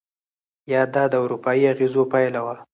یا دا د اروپایي اغېزو پایله وه؟